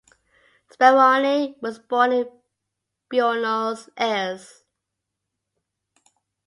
Speroni was born in Buenos Aires.